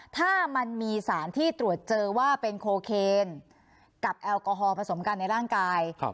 ถ้ามันมีสารที่ตรวจเจอว่าเป็นโคเคนกับแอลกอฮอลผสมกันในร่างกาย